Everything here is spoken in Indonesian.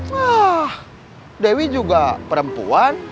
wah dewi juga perempuan